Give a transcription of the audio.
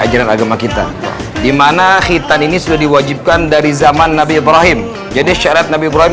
ajaran agama kita dimana hitan ini sudah diwajibkan dari zaman nabi ibrahim jadi syarat nabi ibrahim